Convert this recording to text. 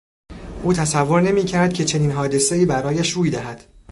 او تصور نمیکرد که چنین حادثهای برایش روی دهد.